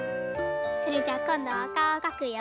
それじゃあこんどはおかおをかくよ。